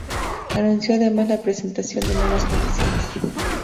Anunció además la presentación de nuevas condiciones.